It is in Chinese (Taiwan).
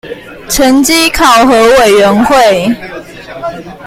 成績考核委員會